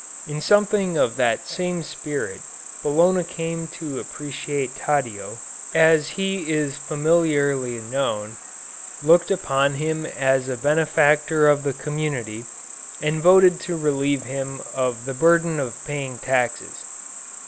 In something of that same spirit Bologna came to appreciate Taddeo, as he is familiarly known, looked upon him as a benefactor of the community, and voted to relieve him of the burden of paying taxes.